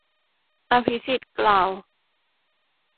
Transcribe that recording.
อภิสิทธิ์กล่าว